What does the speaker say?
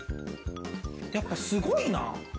やっぱすごいな。